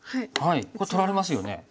これ取られますよね。